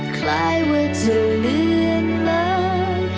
คล้ายว่าจะเลือนหลาย